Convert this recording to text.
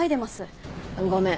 ごめん。